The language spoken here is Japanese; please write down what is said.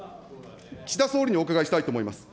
岸田総理にお伺いしたいと思います。